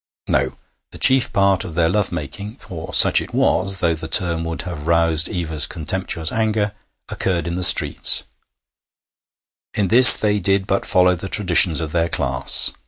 No! The chief part of their love making (for such it was, though the term would have roused Eva's contemptuous anger) occurred in the streets; in this they did but follow the traditions of their class.